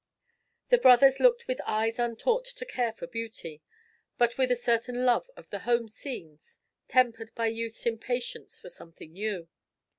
The brothers looked with eyes untaught to care for beauty, but with a certain love of the home scenes, tempered by youth's impatience for something new.